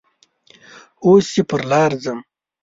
اوس چې پر لارې ځم